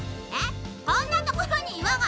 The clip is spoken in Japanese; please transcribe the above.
こんなところにいわが！